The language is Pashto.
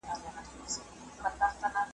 خره به هره ورځ ویل چي لویه خدایه .